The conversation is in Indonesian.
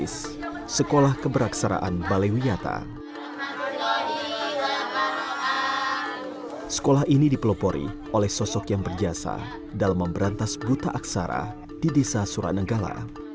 sekolah ini dipelopori oleh sosok yang berjasa dalam memberantas buta aksara di desa suranenggala